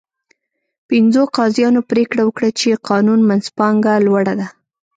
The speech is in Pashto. پنځو قاضیانو پرېکړه وکړه چې قانون منځپانګه لوړه ده.